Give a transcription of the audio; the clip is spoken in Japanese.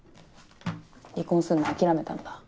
離婚するの諦めたんだ？